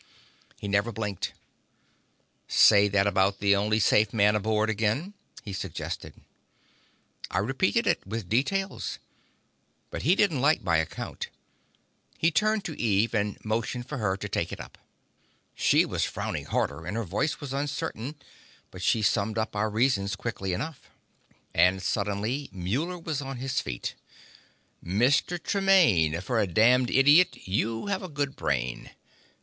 He never blinked. "Say that about the only safe man aboard again," he suggested. I repeated it, with details. But he didn't like my account. He turned to Eve, and motioned for her to take it up. She was frowning harder, and her voice was uncertain, but she summed up our reasons quickly enough. And suddenly Muller was on his feet. "Mr. Tremaine, for a damned idiot, you have a good brain.